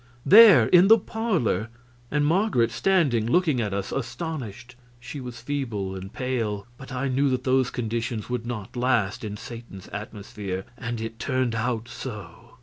There in the parlor, and Marget standing looking at us, astonished. She was feeble and pale, but I knew that those conditions would not last in Satan's atmosphere, and it turned out so.